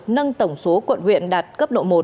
nâng tổng số quận huyện đạt cấp độ một